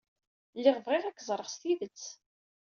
Lliɣ bɣiɣ ad k-ẓreɣ s tidet.